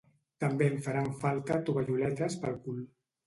També em faran falta tovalloletes pel cul.